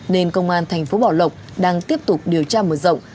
nên công an thành phố bảo lộc đang tiếp tục điều tra mở rộng